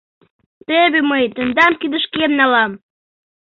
Теве мый тендам кидышкем налам!